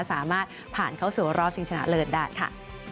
สามารถผ่านเข้าสู่รอบชิงชนะเลิศได้ค่ะ